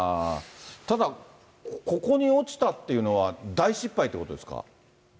ただ、ここに落ちたっていうのは大失敗ということですか？